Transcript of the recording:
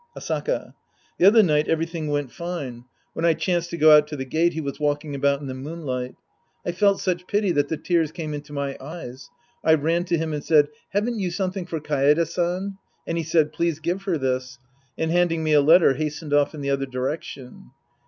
Asaka. The other night everything went fine. 166 The Priest and His Disciples Act IV When I chanced to go out to the gate, he was walking about in the moonlight.' I felt such pity that the tears came into my eyes. I ran to him and said, " Haven't you something for Kaede San ?" and he said, " Please give her this," and handing me a letter, hastened off in the other direction.